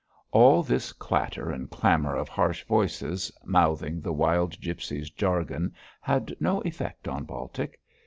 All this clatter and clamour of harsh voices, mouthing the wild gipsies' jargon, had no effect on Baltic.